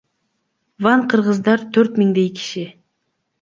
Ван кыргыздары төрт миңдей киши.